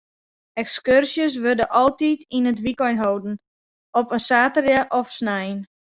Ekskurzjes wurde altyd yn it wykein holden, op in saterdei of snein.